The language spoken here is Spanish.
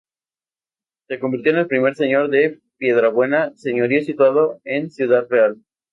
Se convirtió en el primer señor de Piedrabuena, señorío situado en Ciudad Real.